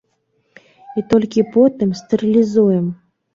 І толькі потым стэрылізуем.